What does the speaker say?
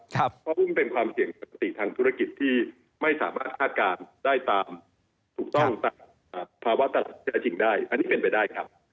ที่ไม่สามารถฆาตการณ์ได้ตามถูกต้องตามภาวะตลาดจริงได้อันนี้เป็นไปได้ครับ